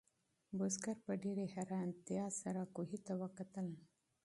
بزګر په ډېرې حیرانتیا سره کوهي ته وکتل.